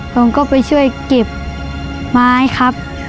ผมก็ไปช่วยเก็บไม้ครับ